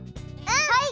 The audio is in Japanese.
はい！